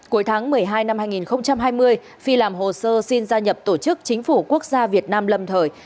cuối tháng một mươi hai năm hai nghìn hai mươi phi làm hồ sơ xin gia nhập tổ chức chính phủ quốc gia việt nam lâm thời